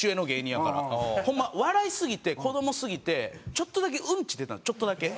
ホンマ笑いすぎて子どもすぎてちょっとだけウンチ出たのちょっとだけ。